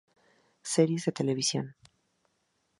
Series de Televisión